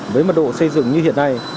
với mặt độ xây dựng như hiện nay